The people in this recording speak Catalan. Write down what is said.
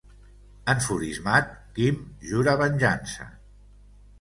Enfurismat, Kim jura venjança.